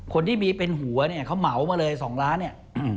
คนที่มีเป็นหัวเนี่ยเขาเหมามาเลย๒ล้านเนี่ย